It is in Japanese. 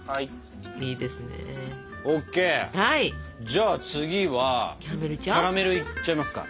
じゃあ次はキャラメルいっちゃいますか。